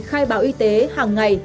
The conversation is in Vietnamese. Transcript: khai báo y tế hàng ngày